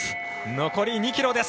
残り２ｋｍです。